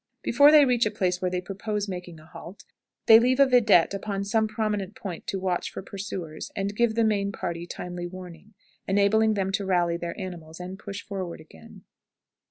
Before they reach a place where they propose making a halt, they leave a vidette upon some prominent point to watch for pursuers and give the main party timely warning, enabling them to rally their animals and push forward again.